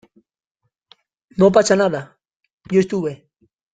no pasa nada, yo estuve.